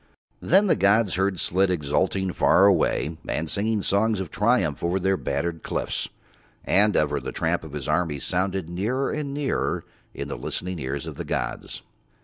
Then the gods heard Slid exulting far away and singing songs of triumph over Their battered cliffs, and ever the tramp of his armies sounded nearer and nearer in the listening ears of the gods.